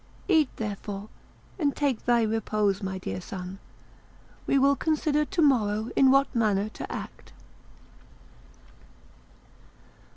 Eat, therefore, and take thy repose, my dear son; we will consider to morrow in what manner to act."